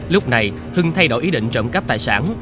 lúc này hưng thay đổi ý định trộm cắp tài sản